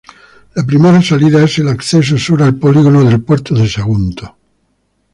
La primera salida es el acceso sur al polígono del Puerto de Sagunto.